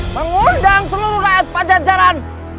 mengundang seluruh rakyat panjang jalan